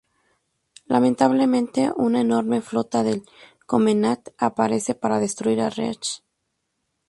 Lamentablemente una enorme flota del Covenant aparece para destruir Reach.